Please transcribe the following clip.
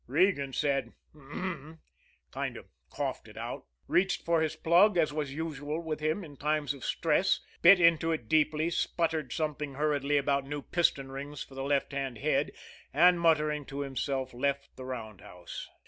Regan said: "H'm!" kind of coughed it out, reached for his plug, as was usual with him in times of stress, bit into it deeply, sputtered something hurriedly about new piston rings for the left hand head, and, muttering to himself, left the roundhouse.